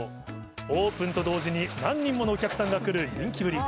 オープンと同時に何人ものお客さんが来る人気ぶり。